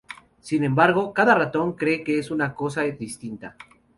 Sin embargo, cada ratón cree que es una cosa distinta.